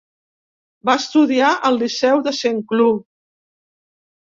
Va estudiar al liceu de Saint-Cloud.